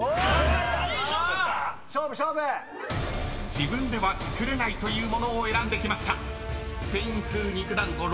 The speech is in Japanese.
［自分では作れないという物を選んできました］